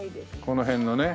この辺のね。